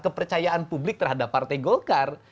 kepercayaan publik terhadap partai golkar